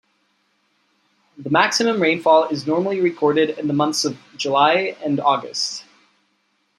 The maximum rainfall is normally recorded in the months of July and August.